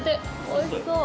おいしそう。